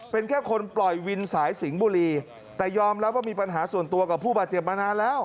เป็นแค่คนปล่อยวินสายสิงห์บุรีแต่ยอมรับว่ามีปัญหาส่วนตัวกับผู้บาดเจ็บมานานแล้ว